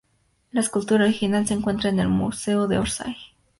La escultura original se encuentra en el Museo de Orsay.